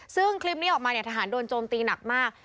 ซึ่งคลิปนี้ออกมาเนี่ยทหารโดนโจมตีหนักมาก